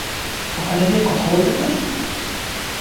ওখানে যেয়ে কথা বলতে পারি?